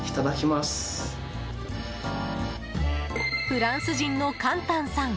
フランス人のカンタンさん